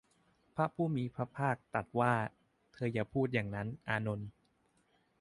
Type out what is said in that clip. พระผู้มีพระภาคตรัสว่า เธออย่าพูดอย่างนั้น อานนท์